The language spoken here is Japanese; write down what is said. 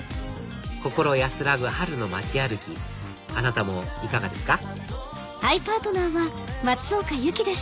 心安らぐ春の街歩きあなたもいかがですか？